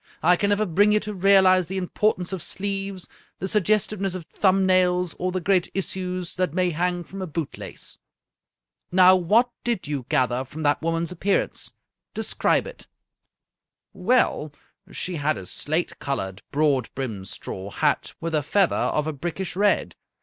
I can never bring you to realize the impor tance of sleeves, the suggestiveness of thumb nails, or the great issues that may hang from a boot lace. Now, what did you gather from that woman's appearance? De scribe it." "Well, she had a slate colored, broad brimmed straw hat, with a feather of a brickish red.